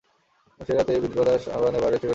সে রাত্রে বিপ্রদাস বারান্দায় পায়চারি করে বেড়াচ্ছে।